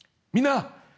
みんな！